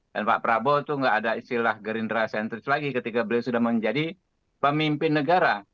dan pak prabowo itu nggak ada istilah gerindra sentris lagi ketika beliau sudah menjadi pemimpin negara